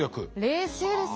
冷静ですね。